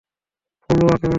ফুলওয়া কেমন আছে?